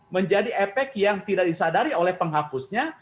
menjadi efek yang tidak disadari oleh penghapusnya